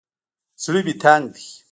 زړه مې تنګ دى.